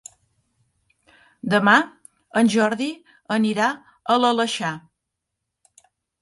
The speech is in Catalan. Demà en Jordi anirà a l'Aleixar.